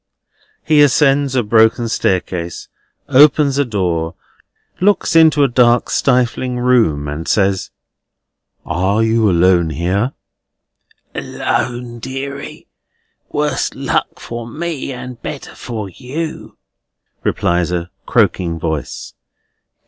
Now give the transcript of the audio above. He ascends a broken staircase, opens a door, looks into a dark stifling room, and says: "Are you alone here?" "Alone, deary; worse luck for me, and better for you," replies a croaking voice.